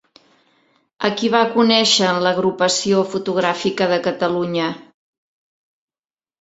A qui va conèixer en l'Agrupació Fotogràfica de Catalunya?